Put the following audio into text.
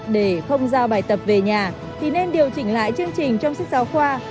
để không giao bài tập về nhà thì nên điều chỉnh lại chương trình trong sách giáo khoa